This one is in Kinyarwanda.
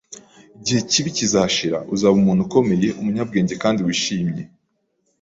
Igihe ikibi kizashira uzaba umuntu ukomeye, umunyabwenge kandi wishimye